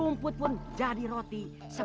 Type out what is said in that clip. rumput pun jadi roti